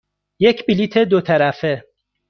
یک بلیط دو طرفه.